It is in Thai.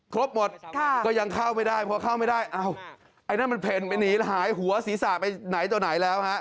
ครบหมดก็ยังเข้าไม่ได้พอเข้าไม่ได้อ้าวไอ้นั่นมันเพ่นไปหนีหายหัวศีรษะไปไหนต่อไหนแล้วฮะ